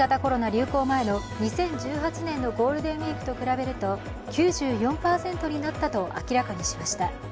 流行前の２０１８年のゴールデンウイークと比べると９４％になったと明らかにしました。